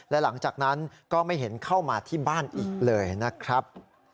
และหลังจากนั้นก็ไม่เห็นเข้ามาที่บ้านอีกเลยนะครับ